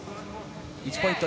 １ポイント